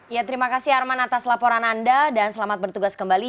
ya terima kasih arman atas laporan anda dan selamat bertugas kembali